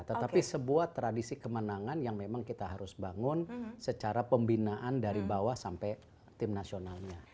tetapi sebuah tradisi kemenangan yang memang kita harus bangun secara pembinaan dari bawah sampai tim nasionalnya